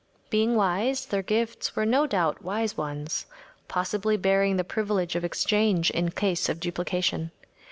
Being wise, their gifts were no doubt wise ones, possibly bearing the privilege of exchange in case of duplication.